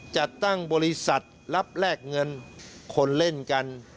จัดตั้งบริษัทรับแลกเงินคนเล่นกัน